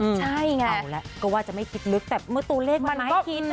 เอาละก็ว่าจะไม่คิดลึกแต่เมื่อตัวเลขมันให้พิน